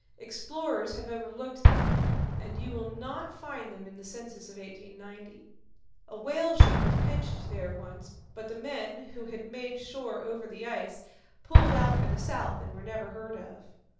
Explorers have overlooked them, and you will not find them in the census of 1890. A whale ship was pinched there once, but the men, who had made shore over the ice, pulled out for the south and were never heard of.